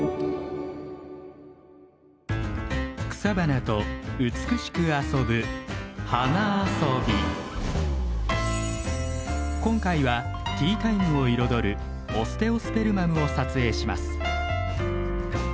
草花と美しく遊ぶ今回はティータイムを彩るオステオスペルマムを撮影します。